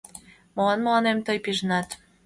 Молан мыланем тый пижынат...